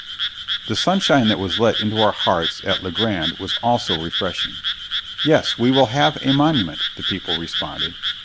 ] The sunshine that was let into our hearts at La Grande was also refreshing. "Yes, we will have a monument," the people responded.